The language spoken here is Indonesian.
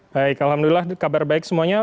baik alhamdulillah kabar baik semuanya